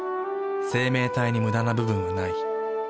生命体にムダな部分はない。